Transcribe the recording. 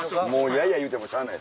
やいやい言うてもしゃあない。